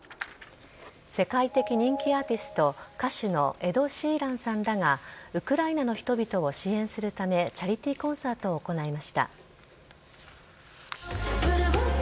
世界的人気アーティスト、歌手のエド・シーランさんらがウクライナの人々を支援するため、チャリティーコンサートを行いました。